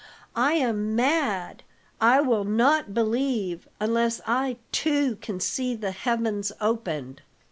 I am mad. I will not believe unless I too can see the heavens opened."